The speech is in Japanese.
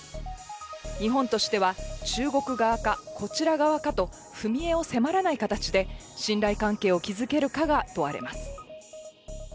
日本としては中国側か、こちら側かと、踏み絵を迫らない形で信頼関係を築けるかが問われます。